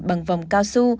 bằng vòng cao su